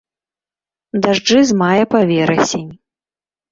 Дажджы з мая па верасень.